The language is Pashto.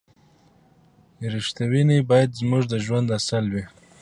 رښتینولي باید زموږ د ژوند اصل وي.